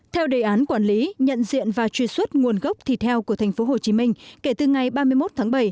theo đề án quản lý nhận diện và truy xuất nguồn gốc thịt heo của tp hcm kể từ ngày ba mươi một tháng bảy